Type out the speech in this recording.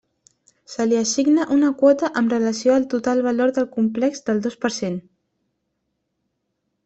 Se li assigna una quota amb relació al total valor del complex del dos per cent.